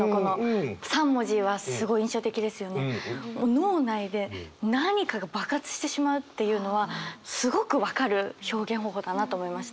脳内で何かが爆発してしまうっていうのはすごく分かる表現方法だなと思いました。